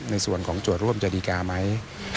ในส่วนของโจทย์ร่วมจะดีการไหม